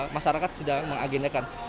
masyarakat sudah mengagenekan